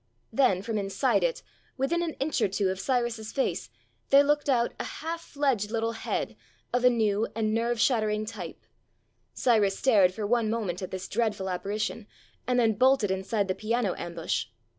Then, from inside it, within an inch or two of Cyrus's face, there looked out a half fledged little head, of a new and nerve shattering type. Cyrus stared for one moment at this dreadful apparition, and then bolted inside the piano ambush.